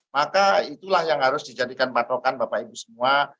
maka itulah yang harus dijadikan patokan bapak ibu semua